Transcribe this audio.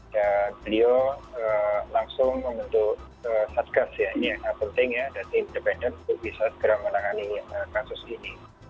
dan beliau langsung membentuk satgas ya ini yang penting ya dan independen untuk bisa segera menangani kasus ini